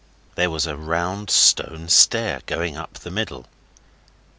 There was a round stone stair going up in the middle.